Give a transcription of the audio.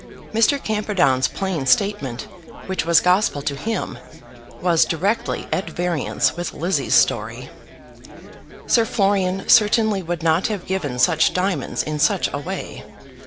Mr. Camperdown's plain statement, which was gospel to him, was directly at variance with Lizzie's story. Sir Florian certainly would not have given such diamonds in such a way.